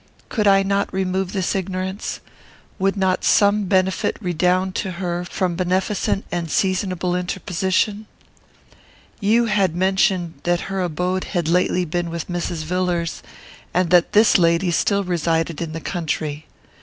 Could I not remove this ignorance? Would not some benefit redound to her from beneficent and seasonable interposition? You had mentioned that her abode had lately been with Mrs. Villars, and that this lady still resided in the country.